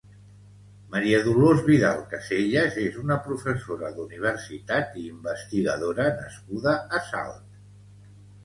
María Dolors Vidal Casellas és una professora d'universitat i investigadora nascuda a Salt.